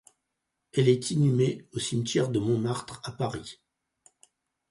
Elle est inhumée au cimetière de Montmartre à Paris.